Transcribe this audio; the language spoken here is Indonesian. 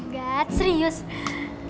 jadi kalian berdua sering ketemu dong